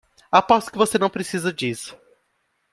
Aposto que você não precisa disso.